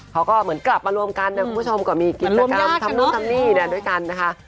เขาก็เหมือนกลับมารวมกันนะคุณผู้ชมก็มีกิจกรรมทำนู่นทำนี่ด้วยกันนะคะ